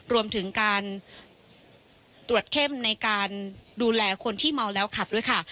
รวมถึงการตรวจเข้มในการดูแลคนที่เมาแล้วขับด้วยค่ะ